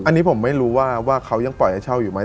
อันนี้ผมไม่รู้ว่าเขายังปล่อยให้เช่าอยู่ไหม